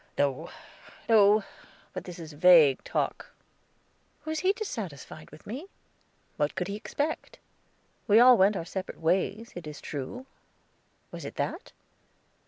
"No, no; but this is vague talk." Was he dissatisfied with me? What could he expect? We all went our separate ways, it is true; was it that?